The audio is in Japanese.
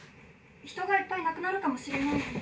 人がいっぱい亡くなるかもしれないのに。